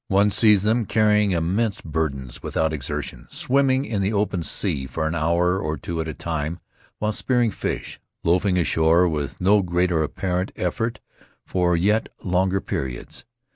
One sees them carrying immense burdens without exertion, swimming in the open sea for an hour or two at a time while spearing fish, loafing ashore with no greater apparent effort for yet longer periods.